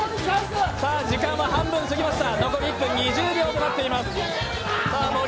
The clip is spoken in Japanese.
時間は半分過ぎました。